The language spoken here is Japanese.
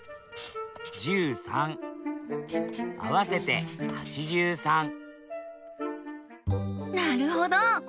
合わせて８３なるほど！